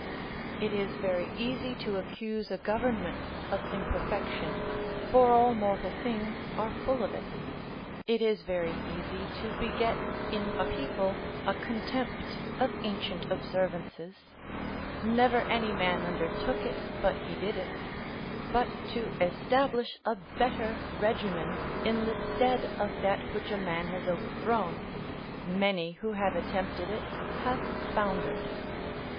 It is very easy to accuse a government of imperfection, for all mortal things are full of it: it is very easy to beget in a people a contempt of ancient observances; never any man undertook it but he did it; but to establish a better regimen in the stead of that which a man has overthrown, many who have attempted it have foundered.